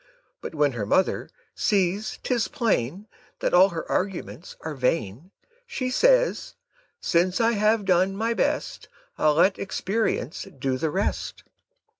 But when her mother sees 'tis plain That all her arguments are vain, Says she, "Since I have done my best, I'll let experience do the rest."